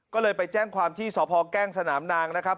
ก็เลยไปแจ้งความที่สพแก้งสนามนางนะครับ